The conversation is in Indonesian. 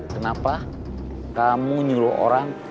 kenapa kamu nyuruh orang